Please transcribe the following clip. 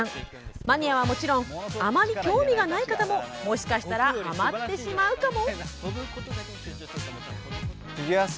マニアはもちろんあまり興味がない方ももしかしたらはまってしまうかも。